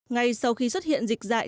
ngay sau khi xuất hiện dịch dại